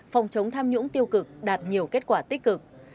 phòng chống tham nhũng tiêu cực đạt nhiều kết quả tích cực